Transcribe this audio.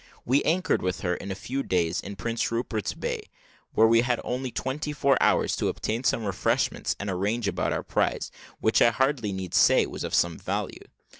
We anchored with her, in a few days, in Prince Rupert's Bay, where we only had twenty four hours, to obtain some refreshments and arrange about our prize, which I hardly need say was of some value.